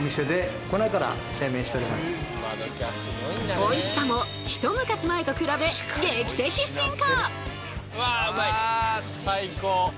おいしさも一昔前と比べ劇的進化！